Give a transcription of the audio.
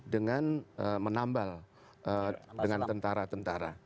dengan menambal dengan tentara tentara